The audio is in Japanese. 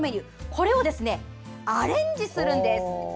これをアレンジするんです。